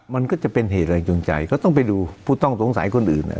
มันก็จะเป็นเหตุแรงจูงใจก็ต้องไปดูผู้ต้องสงสัยคนอื่น